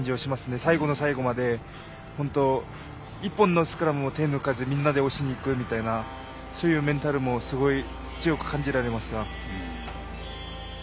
最後の最後まで本当、１本のスクラムも手を抜かず、みんなで押しにいくそういうメンタルもすごく強く感じられました。